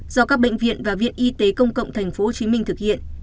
do các bệnh viện và viện y tế công cộng tp hcm thực hiện